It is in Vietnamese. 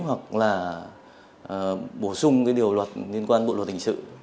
hoặc là bổ sung cái điều luật liên quan bộ luật hình sự